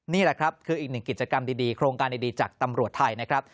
นี่แหละครับคืออีกหนึ่งกิจกรรมดีโครงการดีจากตำรวจไทยนะครับ